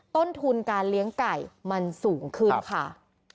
ต้นทุนการเลี้ยงไก่มันสูงขึ้นค่ะ